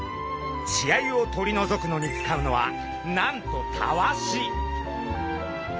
血合いを取り除くのに使うのはなんとタワシ。